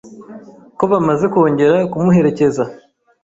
ko bamaze kongera kumuherekeza